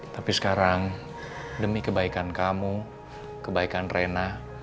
tapi sekarang demi kebaikan kamu kebaikan rena